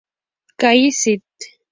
Calle St.